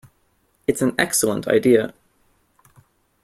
It's an excellent idea.